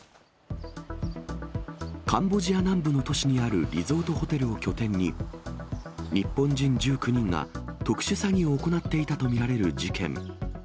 カンボジア南部の都市にあるリゾートホテルを拠点に、日本人１９人が特殊詐欺を行っていたと見られる事件。